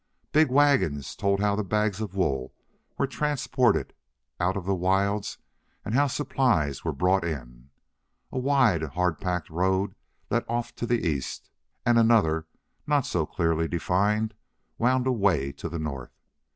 Big wagons told how the bags of wool were transported out of the wilds and how supplies were brought in. A wide, hard packed road led off to the east, and another, not so clearly defined, wound away to the north.